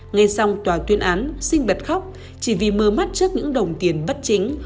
ngay sau tòa tuyên án sinh bật khóc chỉ vì mơ mắt trước những đồng tiền bất chính